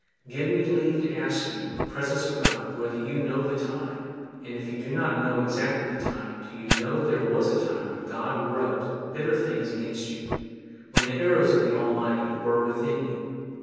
Give me leave to ask you, in the presence of God, whether you know the time, and if you do not know exactly the time, do you know there was a time when God wrote bitter things against you, when the arrows of the Almighty were within you?